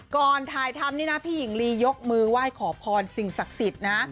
ก่อนถ่ายทำนี่นะพี่หญิงลียกมือไหว้ขอพรสิ่งศักดิ์สิทธิ์นะ